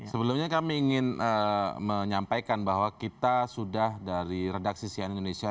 sebelumnya kami ingin menyampaikan bahwa kita sudah dari redaksi sian indonesia